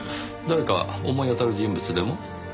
誰か思い当たる人物でも？